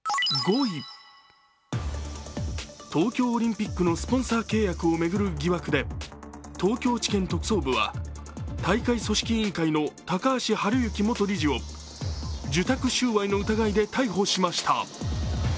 東京オリンピックのスポンサー契約を巡る疑惑で東京地検特捜部は東京地検特捜部は大会組織委員会の高橋治之元理事を受託収賄の疑いで逮捕しました。